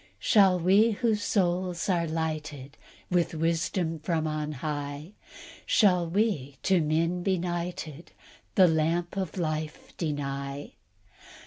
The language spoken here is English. "Shall we, whose souls are lighted With wisdom from on high, Shall we to men benighted The lamp of life deny?